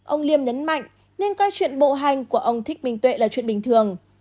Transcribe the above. ông liêm nhấn mạnh nên coi chuyện bộ hành của ông thích bình tuệ là chuyện bình thường